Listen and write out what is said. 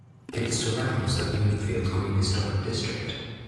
It surrounds the Bloomfield Green Historic District.